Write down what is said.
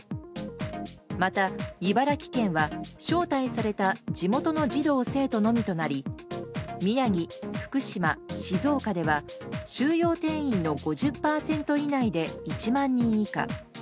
また茨城県は招待された地元の児童・生徒のみとなり宮城、福島、静岡では収容定員の５０％以内で１万人以下。